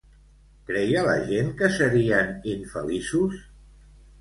Creia la gent que serien infeliços?